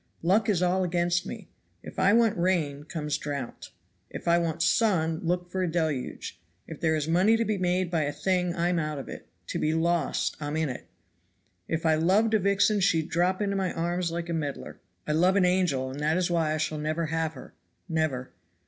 Luck is all against me. If I want rain, comes drought; if I want sun, look for a deluge, if there is money to be made by a thing I'm out of it; to be lost, I'm in it; if I loved a vixen she'd drop into my arms like a medlar; I love an angel and that is why I shall never have her, never.